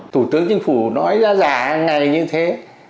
thủ tướng chính phủ nói giá giả hàng ngày như thế